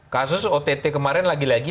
kasus ott kemarin lagi lagi